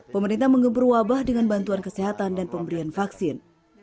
pemerintah menggempur wabah dengan bantuan kesehatan dan pemberian vaksin